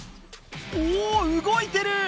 おぉ動いてる！